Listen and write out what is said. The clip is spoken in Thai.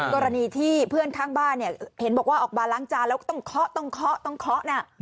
กรณีที่เพื่อนข้างบ้านเนี่ยเห็นบอกว่าออกมาล้างจานแล้วก็ต้องเคาะต้องเคาะต้องเคาะนะ